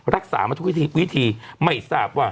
รักษามาทุกวิธีไม่ทราบว่า